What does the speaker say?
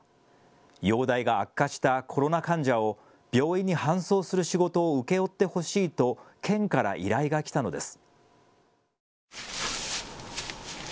容体が悪化したコロナ患者を病院に搬送する仕事を請け負ってほしいと県から依頼が来たのです。